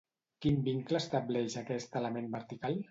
Quin vincle estableix aquest element vertical?